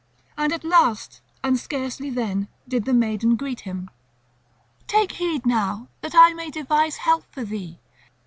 And at last and scarcely then did the maiden greet him: "Take heed now, that I may devise help for thee.